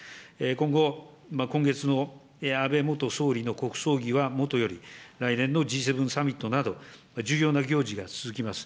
今後、今月の安倍元総理の国葬儀はもとより、来年のＧ７サミットなど、重要な行事が続きます。